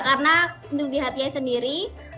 karena di hatyai sendiri